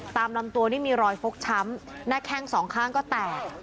ตามลำตัวนี่มีรอยฟกช้ำหน้าแข้งสองข้างก็แตก